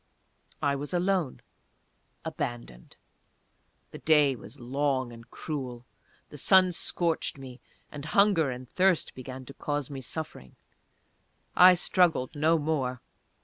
I was alone; abandoned. The day was long and cruel. The sun scorched me, and hunger and thirst began to cause me suffering. I struggled no more.